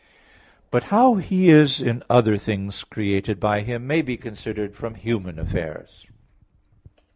But how He is in other things created by Him, may be considered from human affairs.